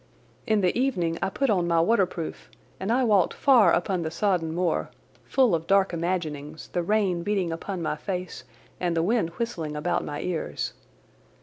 In the evening I put on my waterproof and I walked far upon the sodden moor, full of dark imaginings, the rain beating upon my face and the wind whistling about my ears.